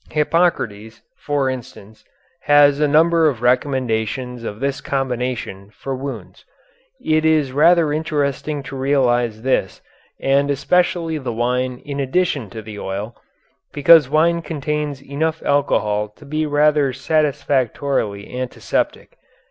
Hippocrates, for instance, has a number of recommendations of this combination for wounds. It is rather interesting to realize this, and especially the wine in addition to the oil, because wine contains enough alcohol to be rather satisfactorily antiseptic.